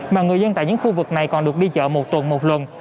mà người dân tại những khu vực này còn được đi chợ một tuần một lần